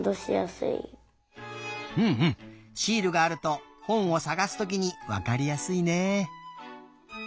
シールがあると本をさがすときにわかりやすいね。